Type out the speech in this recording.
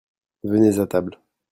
venez à table.